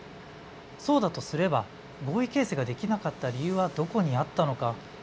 そうだとすれば合意形成ができなかった理由はどこにあったのか。